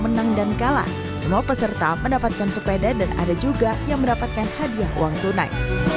menang dan kalah semua peserta mendapatkan sepeda dan ada juga yang mendapatkan hadiah uang tunai